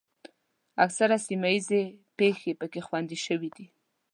اکثره سیمه ییزې پېښې پکې خوندي شوې دي.